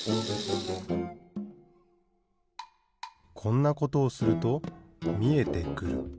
こんなことをするとみえてくる。